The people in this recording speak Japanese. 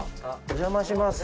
お邪魔します。